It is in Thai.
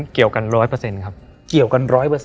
เกี่ยวกันไว้เลยครับ